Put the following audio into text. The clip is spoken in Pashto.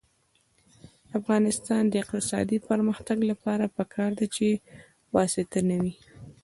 د افغانستان د اقتصادي پرمختګ لپاره پکار ده چې واسطه نه وي.